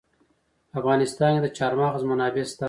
په افغانستان کې د چار مغز منابع شته.